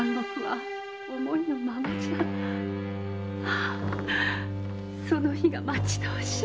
ああその日が待ちどおしい。